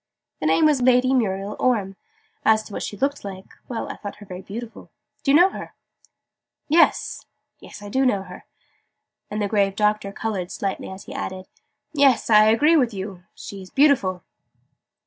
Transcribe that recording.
"The name was Lady Muriel Orme. As to what she was like well, I thought her very beautiful. Do you know her?" "Yes I do know her." And the grave Doctor coloured slightly as he added "Yes, I agree with you. She is beautiful."